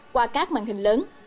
qua các màn hình lớn